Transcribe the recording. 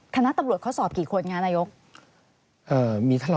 คณะตำรวจเขาสอบกี่คนคะนายก